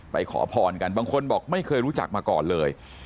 ขอพรกันบางคนบอกไม่เคยรู้จักมาก่อนเลย